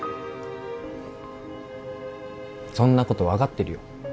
そんなこと分かってるよ